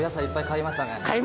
買いました。